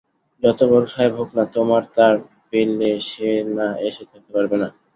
যতবড়ো সাহেব হোক-না, তোমার তার পেলে সে না এসে থাকতে পারবে না।